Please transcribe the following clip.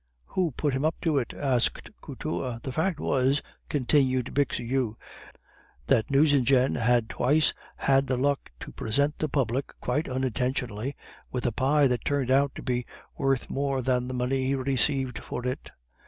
"Who put him up to it?" asked Couture. "The fact was," continued Bixiou, "that Nucingen had twice had the luck to present the public (quite unintentionally) with a pie that turned out to be worth more than the money he received for it.